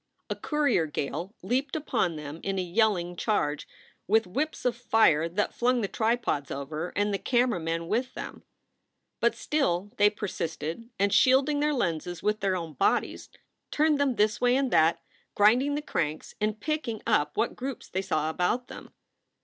A courier gale leaped upon them in a yelling charge, with whips of fire that flung the tripods over, and the camera men with them. But still they persisted, and, shielding their lenses with their own bodies, turned them this way and that, grinding the cranks and picking up what groups they saw about them.